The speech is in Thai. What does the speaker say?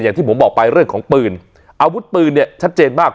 อย่างที่ผมบอกไปเรื่องของปืนอาวุธปืนเนี่ยชัดเจนมาก